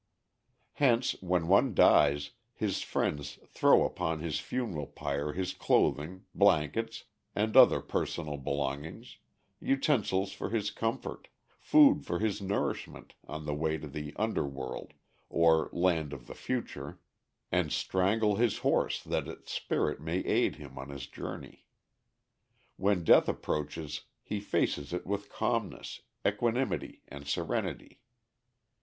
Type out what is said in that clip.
Hence, when one dies, his friends throw upon his funeral pyre his clothing, blankets, and other personal belongings, utensils for his comfort, food for his nourishment on the way to the "under world," or land of the future, and strangle his horse that its spirit may aid him on his journey. When death approaches he faces it with calmness, equanimity and serenity.